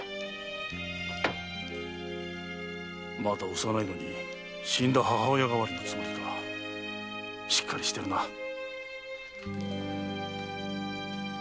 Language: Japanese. まだ幼いのに死んだ母親代わりのつもりかしっかりしてるな